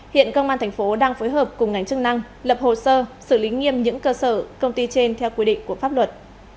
hiện công an thành phố đang phối hợp cùng ngành chức năng lập hồ sơ xử lý nghiêm những cơ sở công ty trên theo quy định của pháp luật